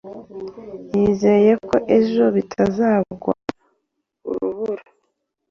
yizeye ko ejo bitazagwa urubura.